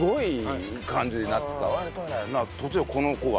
途中でこの子が。